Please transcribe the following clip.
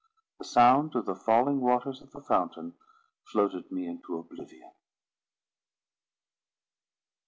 The sound of the falling waters of the fountain floated me into oblivion.